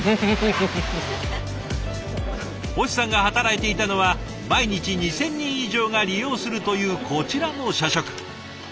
星さんが働いていたのは毎日２，０００人以上が利用するというこちらの社食。